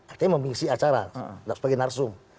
artinya memisi acara tidak sebagai narsum